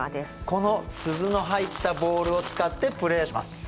この鈴の入ったボールを使ってプレーします。